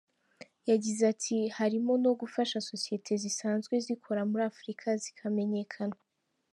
Yagize ati “Harimo no gufasha sosiyete zisanzwe zikora muri Afurika zikamenyekana.